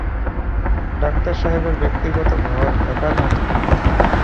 Doctor সাহেবের ব্যক্তিগত ঘর দেখার মতো।